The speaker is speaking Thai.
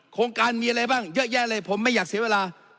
โครงการมีอะไรบ้างเยอะแยะเลยผมไม่อยากเสียเวลา